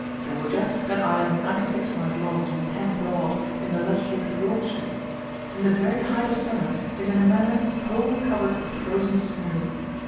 Georgia, an island 96 miles long and 10 broad, in the latitude of Yorkshire, "in the very height of summer, is in a manner wholly covered with frozen snow."